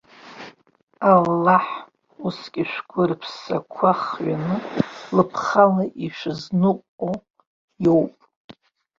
Аллаҳ усгьы шәгәырԥсақәа хҩаны лыԥхала ишәызныҟәо иоуп.